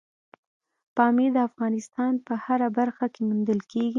پامیر د افغانستان په هره برخه کې موندل کېږي.